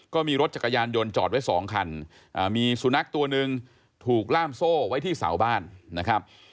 ก็มีรถจักรยานยนต์จอดไว้สองคันมีสุนัขตัวหนึ่งถูกล่ามโซ่ไว้ที่เสาบ้านนะครับ